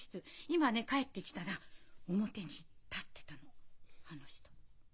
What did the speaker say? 今ね帰ってきたら表に立ってたのあの人。